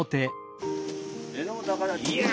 いや！